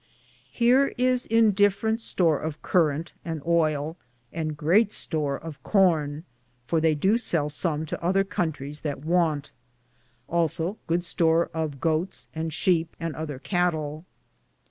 Hear is indiferente store of Currante and ayle, and greate store of corne, for theye doo sell som to other contris that wante ; also good store of goates and shepe and other catle.